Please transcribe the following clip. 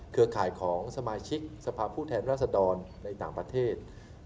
ข่ายของสมาชิกสภาพผู้แทนรัศดรในต่างประเทศ